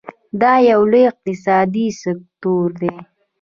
دا یو لوی اقتصادي سکتور دی.